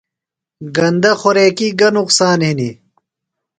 گندہ خوراکی گہ نقصان ہنیۡ؟